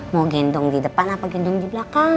mau gendong di depan apa gendong di belakang